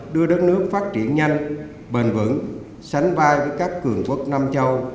đưa đất nước phát triển nhanh bền vững sánh vai với các cường quốc nam châu